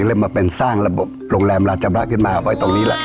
เลยมาเป็นสร้างระบบโรงแรมราชขึ้นมาไว้ตรงนี้แหละ